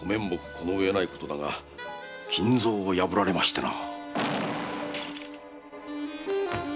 このうえないことだが金蔵を破られましてな。